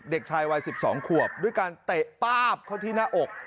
เด็กชายวัย๑๒ขวบด้วยการเตะป้าบเข้าที่หน้าอก